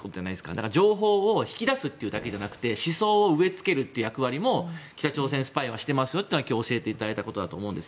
だから情報を引き出すだけじゃなくて思想を植えつけるという役割も北朝鮮スパイはしていますよというのは今日教えていただいたことだと思うんです。